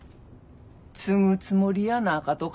継ぐつもりやなかとか？